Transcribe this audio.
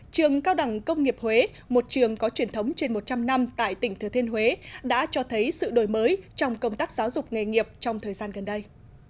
trường cao đẳng công nghiệp huế một trường có truyền thống trên một trăm linh năm tại tỉnh thừa thiên huế đã cho thấy sự đổi mới trong công tác giáo dục nghề nghiệp trong thời gian gần đây